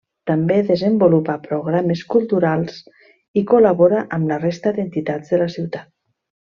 També desenvolupa programes culturals i col·labora amb la resta d'entitats de la ciutat.